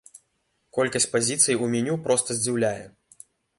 Колькасць пазіцый у меню проста здзіўляе.